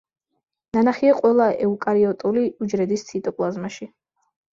ნანახია ყველა ეუკარიოტული უჯრედის ციტოპლაზმაში.